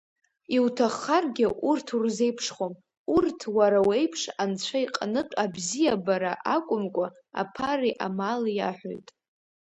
Иуҭаххаргьы урҭ узреиԥшхом, урҭ уара уеиԥш Анцәа иҟнытә абзиабара акәымкәа, аԥареи амали иаҳәоит.